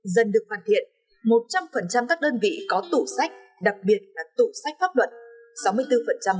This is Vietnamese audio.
dần được hoàn thiện một trăm linh các đơn vị có tủ sách đặc biệt là tủ sách pháp luật